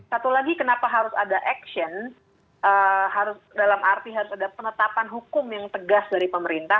satu lagi kenapa harus ada action dalam arti harus ada penetapan hukum yang tegas dari pemerintah